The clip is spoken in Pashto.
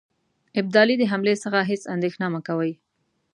ابدالي د حملې څخه هیڅ اندېښنه مه کوی.